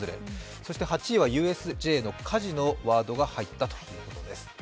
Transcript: そして８位はＵＳＪの火事のワードが入ったということです。